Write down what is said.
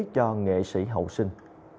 cho nghệ sĩ hậu sinh